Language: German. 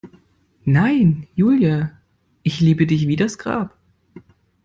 Nein, Julia, ich liebe dich wie das Grab.